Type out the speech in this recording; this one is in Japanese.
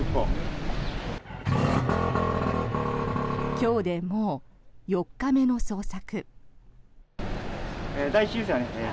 今日でもう４日目の捜索。